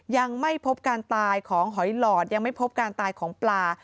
ยังไม่พบการตายของหอยหลอดยังไม่พบการตายของปลา